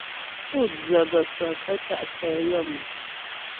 Pú dzə gə̀faə̀ pə́ ta' nkɛ yaə́mu'.